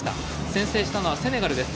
先制したのはセネガルです。